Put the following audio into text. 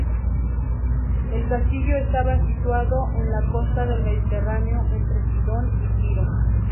El castillo estaba situado en la costa del Mediterráneo, entre Sidón y Tiro.